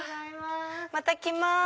また来ます。